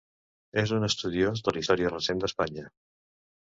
És un estudiós de la història recent d'Espanya.